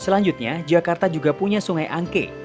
selanjutnya jakarta juga punya sungai angke